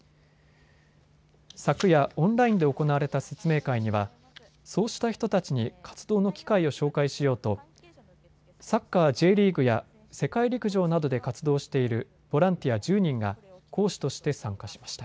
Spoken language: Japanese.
昨夜オンラインで行われた説明会にはそうした人たちに活動の機会を紹介しようとサッカーＪリーグや世界陸上などで活動しているボランティア１０人が講師として参加しました。